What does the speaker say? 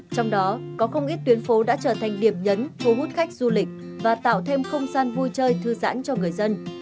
trong đó có không ít tuyến phố đã trở thành điểm nhấn thu hút khách du lịch và tạo thêm không gian vui chơi thư giãn cho người dân